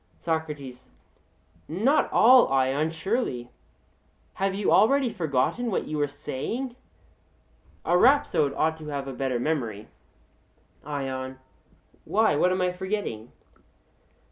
SOCRATES: Not all, Ion, surely. Have you already forgotten what you were saying? A rhapsode ought to have a better memory. ION: Why, what am I forgetting?